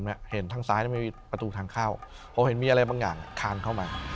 ไม่มีประตูทางเข้าเพราะเห็นมีอะไรบางอย่างคลานเข้ามา